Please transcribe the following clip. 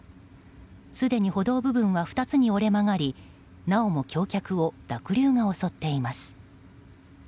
すでに歩道部分は２つに折れ曲がりなおも橋脚を濁流が襲っています。